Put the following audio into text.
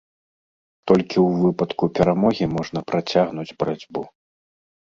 Толькі ў выпадку перамогі можна працягнуць барацьбу.